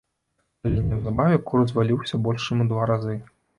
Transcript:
Але неўзабаве курс зваліўся больш чым у два разы.